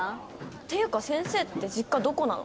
っていうか先生って実家どこなの？